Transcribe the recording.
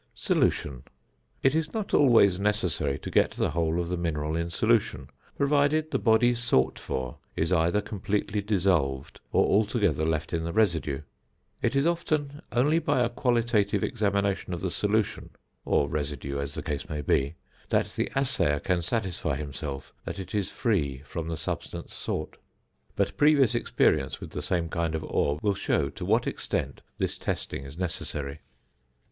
~Solution.~ It is not always necessary to get the whole of the mineral in solution, provided the body sought for is either completely dissolved or altogether left in the residue. It is often only by a qualitative examination of the solution (or residue, as the case may be) that the assayer can satisfy himself that it is free from the substance sought. But previous experience with the same kind of ore will show to what extent this testing is necessary.